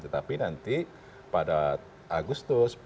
tetapi nanti pada agustus